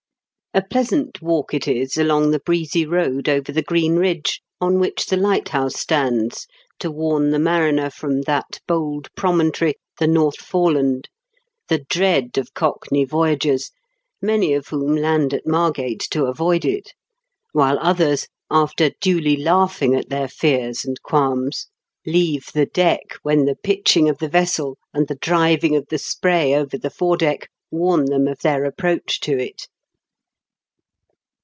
A pleasant walk it is along the breezy road over the green ridge on which the lighthouse stands to warn the mariner from that bold promontory, the North Fore land, the dread of cockney voyagers, many of whom land at Margate to avoid it, while others, after duly laughing at their fears and s 2 260 m KENT WITH CHABLE8 DICKENS. qualms, leave the deck when the pitching of the vessel and the driving of the spray over the foredeck warn them of their approach to it.